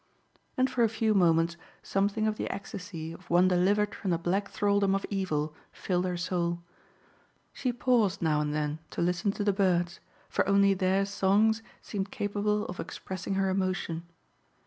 and for a few moments something of the ecstasy of one delivered from the black thraldom of evil filled her soul. She paused now and then to listen to the birds for only their songs seemed capable of expressing her emotion.